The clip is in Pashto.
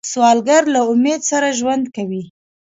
سوالګر له امید سره ژوند کوي